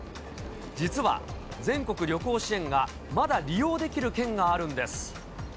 実は、全国旅行支援がまだ利用できる県があるんです。